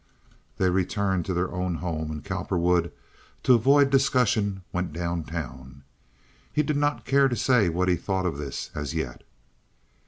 They returned to their own home, and Cowperwood to avoid discussion went down town. He did not care to say what he thought of this as yet.